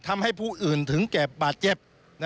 ทำให้ผู้อื่นถึงแก่บาดเจ็บ